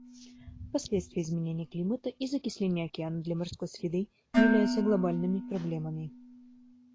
Последствия изменения климата и закисления океана для морской среды являются глобальными проблемами.